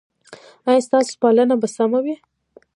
ایا ستاسو پالنه به سمه وي؟